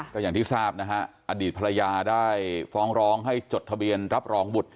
ก็อย่างที่ทราบนะฮะอดีตภรรยาได้ฟ้องร้องให้จดทะเบียนรับรองบุตร